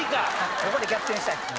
ここで逆転したいですね